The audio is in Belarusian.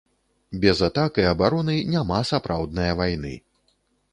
Без атак і абароны няма сапраўднае вайны